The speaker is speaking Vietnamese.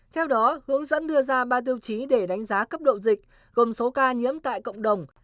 theo đó hướng dẫn đưa ra ba tiêu chí để đánh giá cấp độ dịch gồm số ca nhiễm tại cộng đồng